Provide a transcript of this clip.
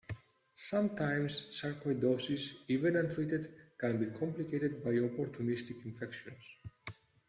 Sometimes, sarcoidosis, even untreated, can be complicated by opportunistic infections.